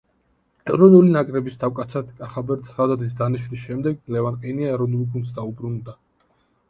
ეროვნული ნაკრების თავკაცად კახაბერ ცხადაძის დანიშნვის შემდეგ, ლევან ყენია ეროვნულ გუნდს დაუბრუნდა.